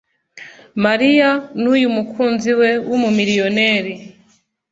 malia n’uyu mukunzi we w’umumiliyoneri